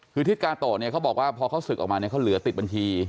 คือทิศกาโตเขาบอกว่าพอเขาศึกออกมาเขาเหลือติดบัญชี